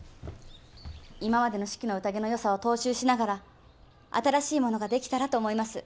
今までの「四季の宴」のよさを踏襲しながら新しいものができたらと思います。